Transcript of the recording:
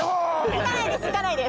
行かないです行かないです。